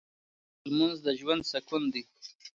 لمونځ د ژوند سکون دی.